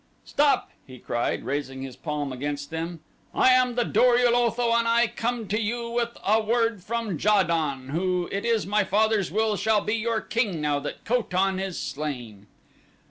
"Stop!" he cried, raising his palm against them. "I am the Dor ul Otho and I come to you with a word from Ja don, who it is my father's will shall be your king now that Ko tan is slain.